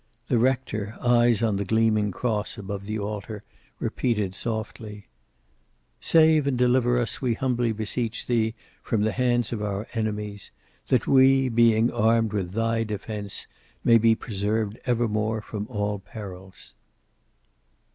The rector, eyes on the gleaming cross above the altar, repeated softly: "Save and deliver us, we humbly beseech Thee, from the hands of our enemies; that we, being armed with Thy defense, may be preserved evermore from all perils."